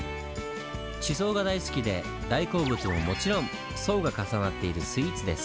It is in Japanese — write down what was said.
地層が大好きで大好物ももちろん層が重なっているスイーツです。